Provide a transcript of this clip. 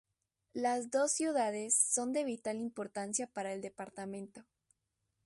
Las dos ciudades son de vital importancia para el departamento.